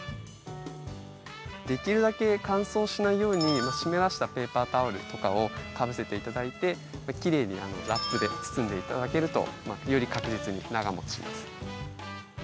できるだけ乾燥しないように湿らせたペーパータオルとかをかぶせていただいてきれいにラップで包んでいただけるとより確実に長もちします。